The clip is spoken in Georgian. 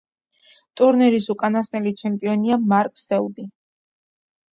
ტურნირის უკანასკნელი ჩემპიონია მარკ სელბი.